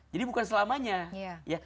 jadi bukan selamanya